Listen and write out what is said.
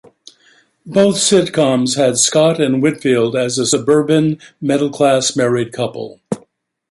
Both sitcoms had Scott and Whitfield as a suburban middle-class married couple.